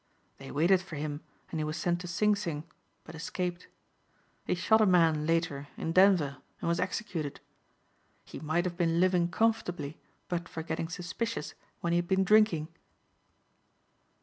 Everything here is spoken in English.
They waited for him and he was sent to Sing Sing but escaped. He shot a man later in Denver and was executed. He might have been living comfortably but for getting suspicious when he had been drinking."